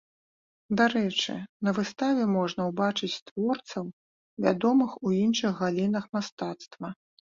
Дарэчы, на выставе можна ўбачыць творцаў, вядомых у іншых галінах мастацтва.